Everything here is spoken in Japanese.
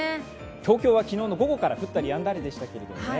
東京は昨日の午後から降ったりやんだりでしたけどね。